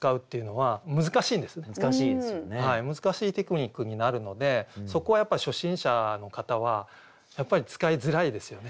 はい難しいテクニックになるのでそこはやっぱ初心者の方はやっぱり使いづらいですよね。